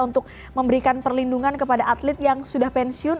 untuk memberikan perlindungan kepada atlet yang sudah pensiun